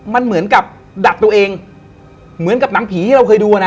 มันเหมือนกับดักตัวเองเหมือนกับหนังผีที่เราเคยดูอ่ะนะ